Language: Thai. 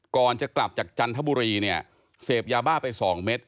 ก่อนจะกลับจากจันทบุรีเนี่ยเสพยาบ้าไปสองเม็ด